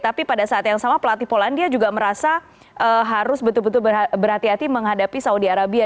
tapi pada saat yang sama pelatih polandia juga merasa harus betul betul berhati hati menghadapi saudi arabia